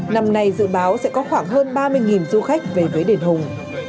năm nay dự báo sẽ có khoảng hơn ba mươi du khách về với đền hùng